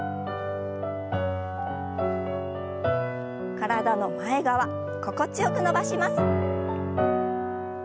体の前側心地よく伸ばします。